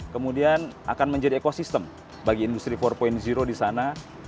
kemudian akan menjadi ekosistem bagi industri empat di sana